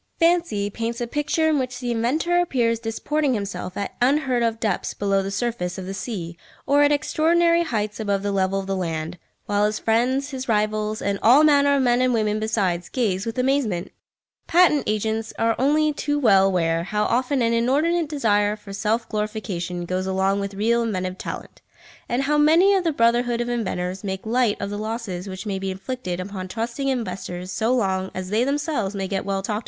Fancy paints a picture in which the inventor appears disporting himself at unheard of depths below the surface of the sea or at extraordinary heights above the level of the land, while his friends, his rivals, and all manner of men and women besides, gaze with amazement! Patent agents are only too well aware how often an inordinate desire for self glorification goes along with real inventive talent, and how many of the brotherhood of inventors make light of the losses which may be inflicted upon trusting investors so long as they themselves may get well talked about.